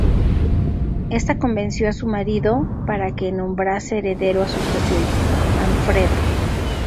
Esta convenció a su marido para que nombrase heredero a su propio hijo, Manfredo.